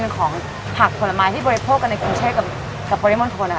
เป็นของผักผลไม้ที่บริโภคกันในกรุงเทพกับปริมณฑล